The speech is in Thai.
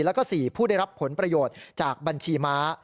แล้วก็๔ผู้ได้รับผลประโยชน์จากบัญชีม้า